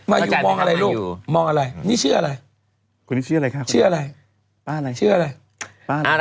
มาอยู่มองอะไรลูกมองอะไรนี่ชื่ออะไรคนนี้ชื่ออะไรครับชื่ออะไรป้าไหนชื่ออะไร